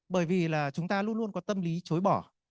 bởi vì là chúng ta luôn luôn có tâm lý chối bỏ